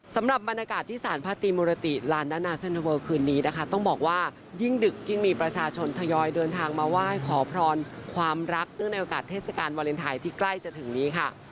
สำหรับบรรยากาศที่สารพระตรีมุรติลานนานาเซ็นเทอร์เวอร์คืนนี้นะคะต้องบอกว่ายิ่งดึกยิ่งมีประชาชนทยอยเดินทางมาไหว้ขอพรความรักเนื่องในโอกาสเทศกาลวาเลนไทยที่ใกล้จะถึงนี้ค่ะ